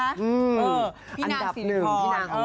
อันดับหนึ่ง